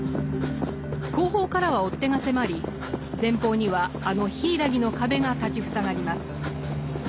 後方からは追っ手が迫り前方にはあの柊の壁が立ち塞がります。